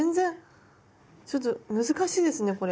ちょっと難しいですねこれ。